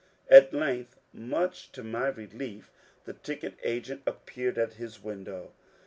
At length, much to my relief, the ticket agent appeared at his window.